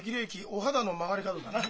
お肌の曲がり角だな。